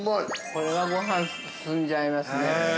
◆これはご飯進んじゃいますね。